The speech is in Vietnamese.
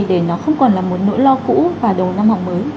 để nó không còn là một nỗi lo cũ và đầu năm học mới